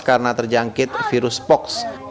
karena terjangkit virus pox